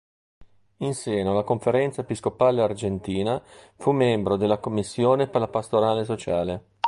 In seno alla Conferenza episcopale argentina fu membro della commissione per la pastorale sociale.